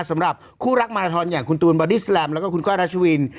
สำหรับคู่รักมาราธรณ์อย่างคุณตูนแล้วก็คุณก้อยราชวิน